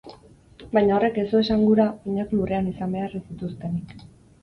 Baina horrek ez du esan gura oinak lurrean izan behar ez dituztenik.